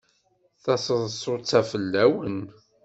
Taseḍsut-a fell-awen.